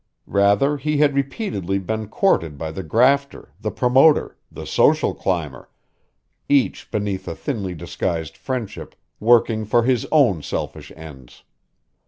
Rather he had repeatedly been courted by the grafter, the promoter, the social climber, each beneath a thinly disguised friendship working for his own selfish ends.